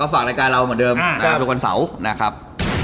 ฝากรายการเราเหมือนเดิมนะครับ